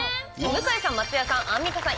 向井さん、松也さんアンミカさん